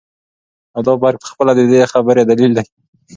او دافرق په خپله ددي خبري دليل دى